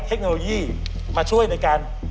เทคโนโลยีมาช่วยในการ